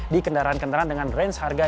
di kendaraan kendaraan dengan range harga